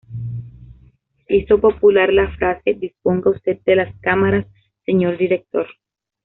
Hizo popular la frase "Disponga usted de las cámaras, señor director".